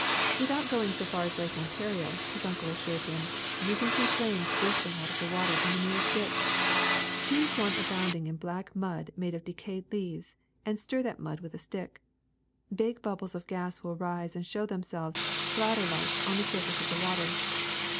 "Without going so far as Lake Ontario," his un cle assured him, "you can see flames bursting out of the water in the nearest ditch. Choose one abound ing in black mud made of decayed leaves, and stir that mud with a stick. Big bubbles of gas will rise and show themselves, bladder like, on the surface of the water.